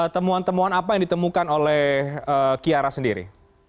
temuan temuan apa yang ditemukan oleh kiara sendiri